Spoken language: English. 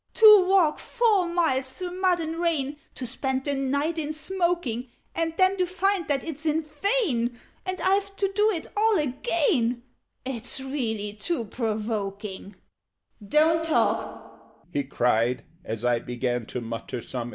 "To walk four miles through mud and rain, To spend the night in smoking, And then to find that it's in vain And I've to do it all again It's really too provoking! "Don't talk!"